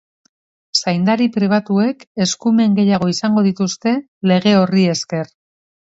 Zaindari pribatuek eskumen gehiago izango dituzte lege horri esker.